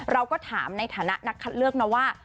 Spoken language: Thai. เราก็ถามในฐานะนักคัดเลือกนะว่า